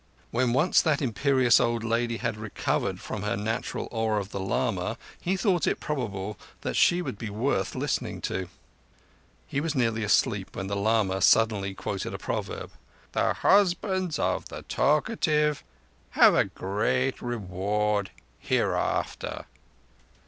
When once that imperious old lady had recovered from her natural awe of a lama he thought it probable that she would be worth listening to. He was nearly asleep when the lama suddenly quoted a proverb: "The husbands of the talkative have a great reward hereafter."